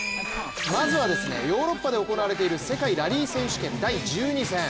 まずはヨーロッパで行われている世界ラリー選手権第１２戦。